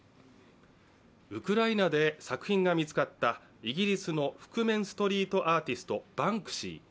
ウクライナで作品が見つかったイギリスの覆面アーティスト、バンクシー。